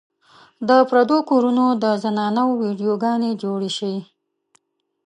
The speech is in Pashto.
د پردو کورونو د زنانو ويډيو ګانې جوړې شي